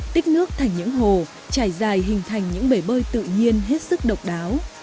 tích nước thành những hồ trải dài hình thành những bể bơi tự nhiên hết sức độc đáo